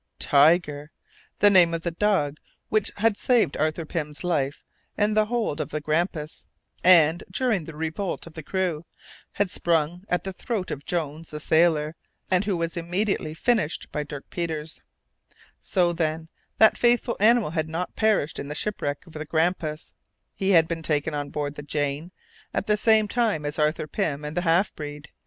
Tiger! the name of the dog which had saved Arthur Pym's life in the hold of the Grampus, and, during the revolt of the crew, had sprung at the throat of Jones, the sailor, who was immediately "finished" by Dirk Peters. [Illustration: Hunt extended his enormous hand, holding a metal collar.] So, then, that faithful animal had not perished in the shipwreck of the Grampus. He had been taken on board the Jane at the same time as Arthur Pym and the half breed.